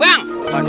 banget banget nih